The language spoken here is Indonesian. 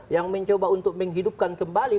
yang mencoba untuk menghidupkan kembali